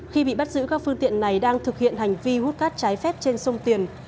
khi bị bắt giữ các phương tiện này đang thực hiện hành vi hút cát trái phép trên sông tiền